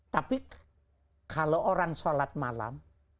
tapi kalau orang sholat malam